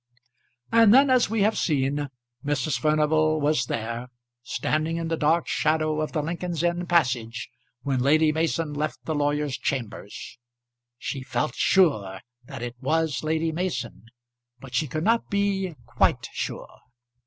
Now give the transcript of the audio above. And then, as we have seen, Mrs. Furnival was there, standing in the dark shadow of the Lincoln's Inn passage, when Lady Mason left the lawyer's chambers. She felt sure that it was Lady Mason, but she could not be quite sure.